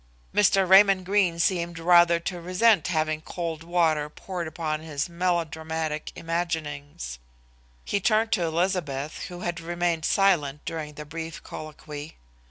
Mr. Raymond Greene seemed rather to resent having cold water poured upon his melodramatic imaginings. He turned to Elizabeth, who had remained silent during the brief colloquy.